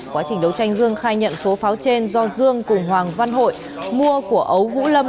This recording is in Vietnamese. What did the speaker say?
quá trình đấu tranh dương khai nhận số pháo trên do dương cùng hoàng văn hội mua của ấu vũ lâm